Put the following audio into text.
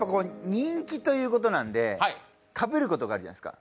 人気ということなので、かぶることがあるじゃないですか。